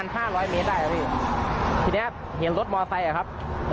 แต่ก็ไม่ได้คิดอะไรครับ